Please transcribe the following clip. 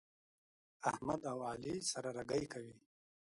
احمد او علي سره رګی کوي.